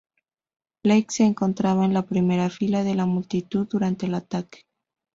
Blake se encontraba en la primera fila de la multitud durante el ataque.